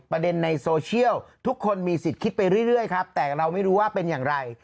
ในโซเชียลทุกคนมีสิทธิ์คิดไปเรื่อยครับแต่เราไม่รู้ว่าเป็นอย่างไร